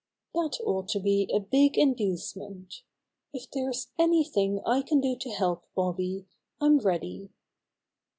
"That ought to be a big inducement. If there's anything I can do to help, Bobby, I'm ready."